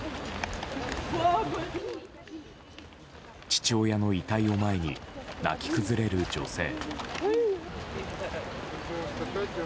父親の遺体を前に泣き崩れる女性。